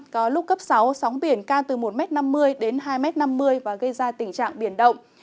có lúc cấp sáu sóng biển ca từ một năm mươi m đến hai năm mươi m và gây ra tình trạng biển động